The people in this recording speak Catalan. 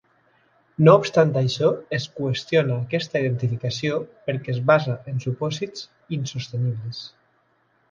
No obstant això, es qüestiona aquesta identificació perquè es basa en supòsits insostenibles.